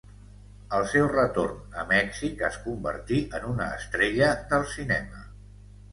Al seu retorn a Mèxic es convertí en una estrella del cinema.